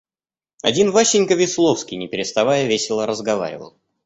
Один Васенька Весловский не переставая весело разговаривал.